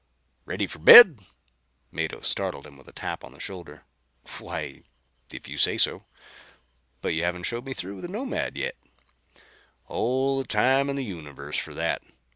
"Ready for bed?" Mado startled him with a tap on the shoulder. "Why if you say so. But you haven't shown me through the Nomad yet." "All the time in the universe for that.